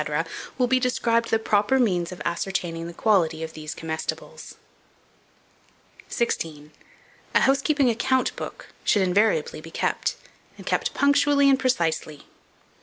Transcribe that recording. will be described the proper means of ascertaining the quality of these comestibles. 16. A HOUSEKEEPING ACCOUNT BOOK should invariably be kept, and kept punctually and precisely.